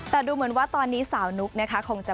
แต่ดูเหมือนว่าตอนนี้สาวนุ๊กนะคะคงจะ